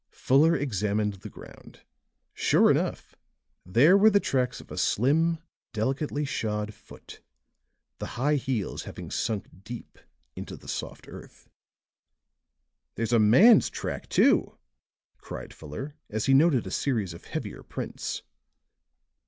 Fuller examined the ground; sure enough, there were the tracks of a slim, delicately shod foot, the high heels having sunk deep into the soft earth. "There's a man's track, too," cried Fuller, as he noted a series of heavier prints.